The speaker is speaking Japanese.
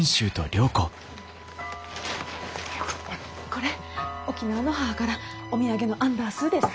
これ沖縄の母からお土産のアンダンスーです。